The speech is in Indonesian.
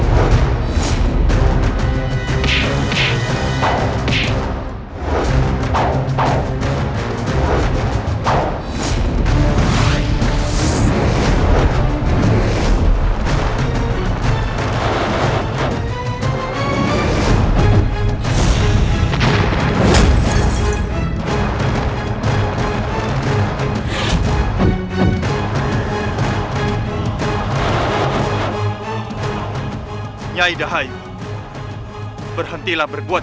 kau sudah selesai median